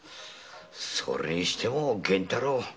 それにしても源太郎。